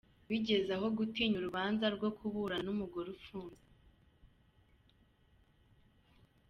Bigeze aho gutinya urubanza rwo kuburana n’umugore ufunze?